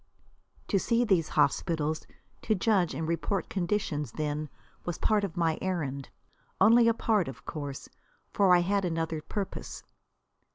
To see these hospitals, to judge and report conditions, then, was a part of my errand. Only a part, of course; for I had another purpose.